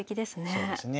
そうですね。